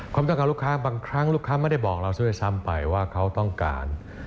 ความต้องการลูกค้าบางครั้งลูกค้าไม่ได้บอกเราซะด้วยซ้ำไปว่าเขาต้องการ